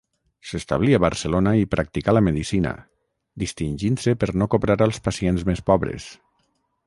S'establí a Barcelona i practicà la medicina, distingint-se per no cobrar als pacients més pobres.